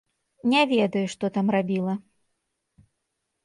Не ведаю, што там рабіла.